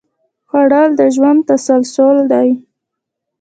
خوړل د ژوند تسلسل دی